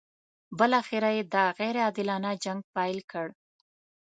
بالاخره یې دا غیر عادلانه جنګ پیل کړ.